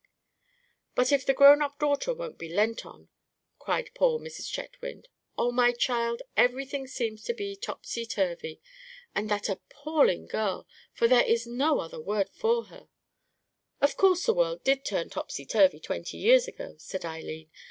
"But if the grown up daughter won't be leant on," cried poor Mrs. Chetwynd. "Oh, my child, everything seems to be topsy turvy; and that appalling girl, for there is no other word for her——" "Of course the world did turn topsy turvy twenty years ago," said Eileen.